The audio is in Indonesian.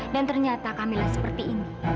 dan ternyata kamila seperti ini